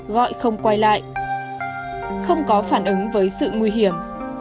gọi không quay lại không có phản ứng với sự nguy hiểm